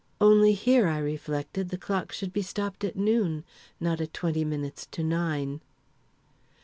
Only here, I reflected, the clocks should be stopped at noon, not at twenty minutes to nine!